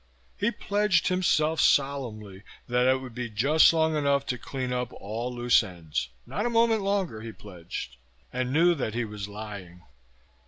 He pledged himself solemnly that it would be just long enough to clean up all loose ends not a moment longer, he pledged. And knew that he was lying.